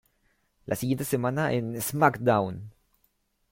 La siguiente semana en "SmackDown!